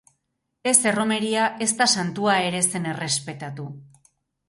Ez erromeria, ezta santua ere zen errespetatu.